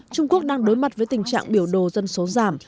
trung quốc đang đối mặt với tình trạng biểu đồ dân số giảm